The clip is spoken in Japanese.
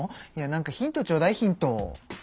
なんかヒントちょうだいヒント。